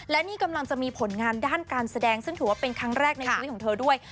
และนี่กำลังจะมีผลงานด้านการแสดงซึ่งถือว่าเป็นครั้งแรกในชีวิตของเธอด้วย